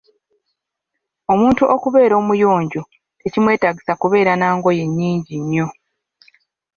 Omuntu okubeera omuyonjo tekimwetaagisa kubeera nangoye nnyingi nnyo.